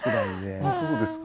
あっそうですか。